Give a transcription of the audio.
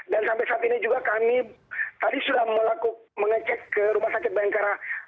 dan sampai saat ini juga kami tadi sudah mengecek ke rumah sakit bayangkara